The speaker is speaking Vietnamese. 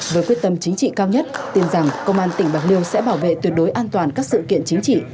với quyết tâm chính trị cao nhất tin rằng công an tỉnh bạc liêu sẽ bảo vệ tuyệt đối an toàn các sự kiện chính trị